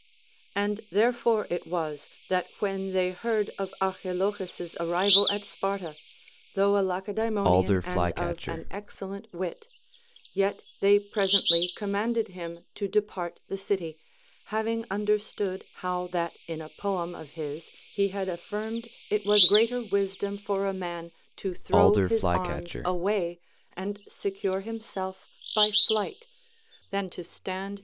34. And therefore it was, that when they heard of Ar chilochus's arrival at Sparta (though a Lacedaemonian, and of an excellent wit), yet they presently commanded him to depart the city, having understood how that in a poem of his he had affirmed it was greater wisdom for a man to throw his arms away and secure himself by fiight, than to stand CUSTOMS OF THE LACEDAEMONIANS.